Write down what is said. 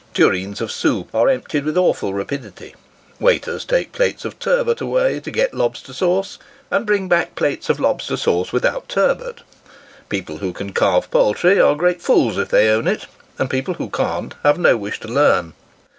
Tureens of soup are emptied with awful rapidity waiters take plates of turbot away, to get lobster sauce, and bring back plates of lobster sauce without turbot; people who can carve poultry, are great fools if they own it, and people who can't have no wish to learn.